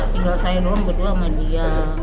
tinggal saya doang berdua sama dia